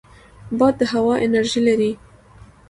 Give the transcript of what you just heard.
باد د هوا انرژي لري